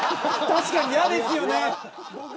確かに、嫌ですよね。